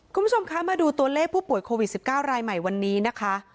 คุณผู้ชมคะมาดูตัวเลขผู้ป่วยโควิด๑๙รายใหม่วันนี้นะคะ